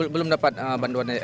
enggak belum dapat bantuan air bersih